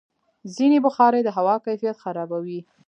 ځینې بخارۍ د هوا کیفیت خرابوي.